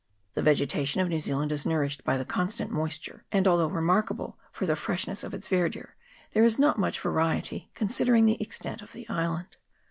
The vegetation of New Zealand is nourished by the constant moisture, and, although remarkable for the freshness of its verdure, there is not much variety, considering the extent of the island.